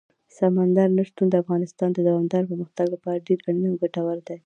سمندر نه شتون د افغانستان د دوامداره پرمختګ لپاره ډېر اړین او ګټور دی.